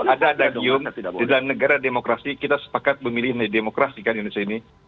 ada ada gium di dalam negara demokrasi kita sepakat memilih demokrasi kan indonesia ini